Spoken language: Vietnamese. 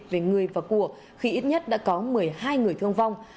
về người và của khi ít nhất đã có một mươi hai người thương vong